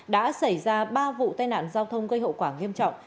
đã xảy ra ba vụ tai nạn giao thông gây hậu quả nghiêm trọng